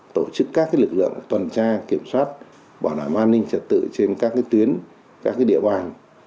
tổ chức các lực lượng tuần tra kiểm soát bảo đảm an ninh trật tự trên các tuyến các địa bàn